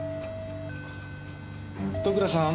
戸倉さん？